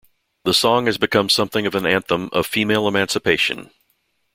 The song has become something of an anthem of female emancipation.